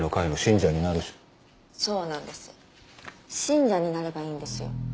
信者になればいいんですよ。